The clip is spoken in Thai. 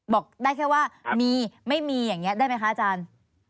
บอกได้แค่ว่ามีไม่มีอย่างนี้ได้ไหมคะอาจารย์